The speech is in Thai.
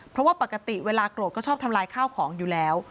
เพราะว่าปกติเวลาโกรธก็ชอบทำลายข้าวของอยู่แล้ว